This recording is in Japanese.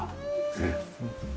ねえ。